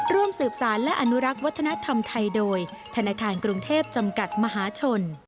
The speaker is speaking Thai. ร่วมสืบสารและอนุรักษ์วัฒนธรรมไทยโดยธนาคารกรุงเทพจำกัดมหาชน